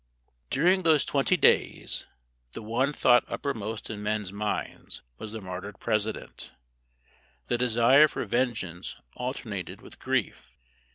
During those twenty days, the one thought uppermost in men's minds was the martyred President. The desire for vengeance alternated with grief.